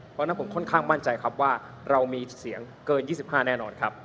เพราะฉะนั้นผมค่อนข้างมั่นใจครับว่าเรามีเสียงเกิน๒๕แน่นอนครับ